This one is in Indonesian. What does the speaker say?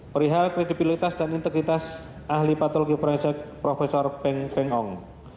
perihal kredibilitas dan integritas ahli patologi forensik prof peng pengong